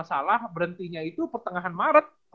soalnya pas ujian tengah semester